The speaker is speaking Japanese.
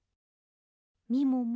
みもも。